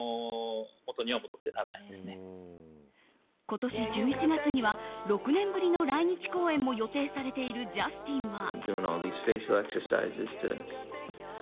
今年１１月には６年ぶりの来日公演も予定されているジャスティンは。